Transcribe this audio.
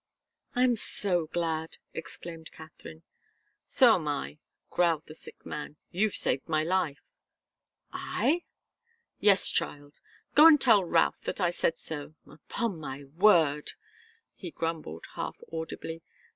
"I'm so glad!" exclaimed Katharine. "So am I," growled the sick man. "You've saved my life." "I?" "Yes, child. Go and tell Routh that I said so. Upon my word!" he grumbled, half audibly.